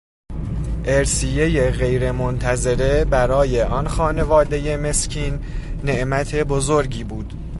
ارثیهی غیرمنتظره برای آن خانواده مسکین نعمت بزرگی بود.